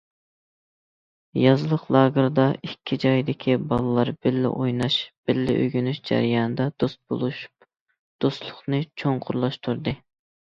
يازلىق لاگېردا ئىككى جايدىكى بالىلار بىللە ئويناش، بىللە ئۆگىنىش جەريانىدا دوست بولۇشۇپ، دوستلۇقنى چوڭقۇرلاشتۇردى.